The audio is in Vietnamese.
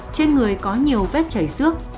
trên người có nhiều vết chảy xước